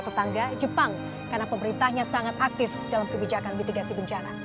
tetangga jepang karena pemerintahnya sangat aktif dalam kebijakan mitigasi bencana